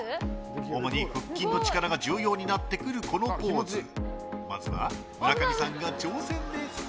主に腹筋の力が重要になってくるこのポーズまずは村上さんが挑戦です。